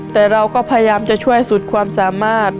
แต่เราก็พยายามจะช่วยสุดความสามารถ